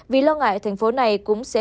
vì lo ngại thành phố này cũng sẽ